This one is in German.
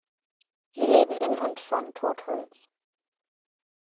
Sie leben in und von Totholz.